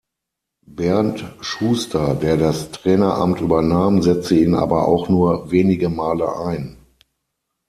Bernd Schuster, der das Traineramt übernahm, setzte ihn aber auch nur wenige Male ein.